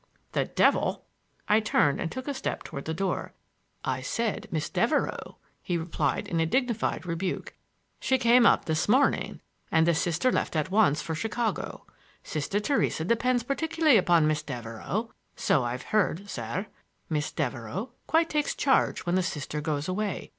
"The devil!" I turned and took a step toward the door. "I said Miss Devereux," he repeated in dignified rebuke. "She came up this morning, and the Sister left at once for Chicago. Sister Theresa depends particularly upon Miss Devereux,—so I've heard, sir. Miss Devereux quite takes charge when the Sister goes away.